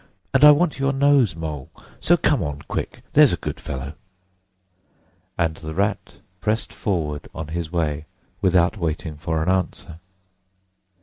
And I want your nose, Mole, so come on quick, there's a good fellow!" And the Rat pressed forward on his way without waiting for an answer.